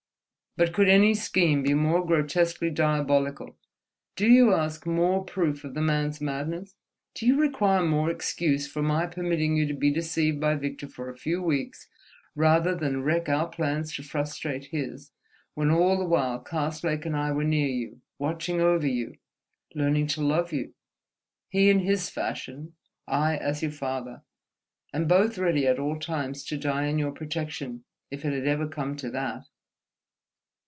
"But could any scheme be more grotesquely diabolical? Do you ask more proof of the man's madness? Do you require more excuse for my permitting you to be deceived by Victor for a few weeks, rather than wreck our plans to frustrate his, when all the while Karslake and I were near you, watching over you, learning to love you—he in his fashion, I as your father—and both ready at all times to die in your protection, if it had ever come to that?"